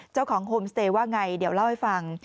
โฮมสเตย์ว่าไงเดี๋ยวเล่าให้ฟัง